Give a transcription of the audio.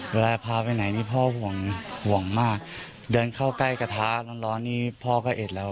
เวลาพาไปไหนนี่พ่อห่วงห่วงมากเดินเข้าใกล้กระทะร้อนนี่พ่อก็เอ็ดแล้ว